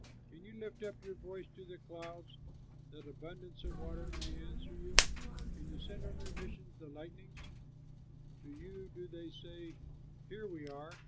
"Can you lift up your voice to the clouds, That abundance of water may answer you? Can you send on their missions the lightnings; To you do they say, 'Here we are'?